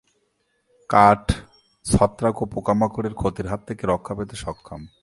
কাঠ ছত্রাক এবং পোকামাকড়ের ক্ষতির হাত থেকে রক্ষা পেতে সক্ষম।